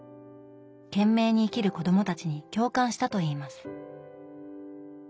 懸命に生きる子供たちに共感したといいます。